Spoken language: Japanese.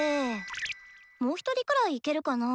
もう１人くらいいけるかな。